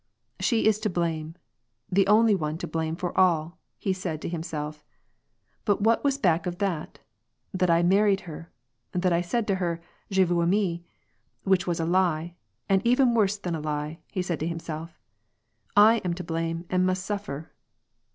" She is to blame, the only one to blame for all," said he to himself. "But what was back of that ? That I married her, that I said to her, *Je voiis aif/ie/ which was a lie, and even worse than a lie," said he to himself. " I am to blame and iaust suffer.